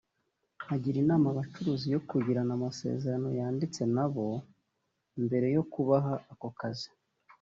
agira inama abacuruzi yo kugirana amasezerano yanditse nabo mbere yo kubaha ako kazi